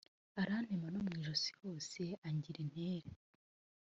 arantema no mu ijosi hose angira intere